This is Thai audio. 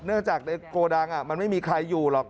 เนื่องจากในโกดังมันไม่มีใครอยู่หรอก